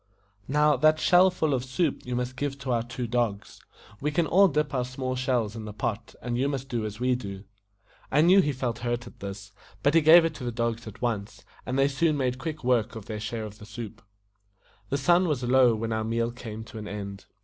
Now, that shell full of soup you must give to our two dogs. We can all dip our small shells in the pot, and you must do as we do." I knew he felt hurt at this, but he gave it to the dogs at once, and they soon made quick work of their share of the soup. The sun was low when our meal came to an end.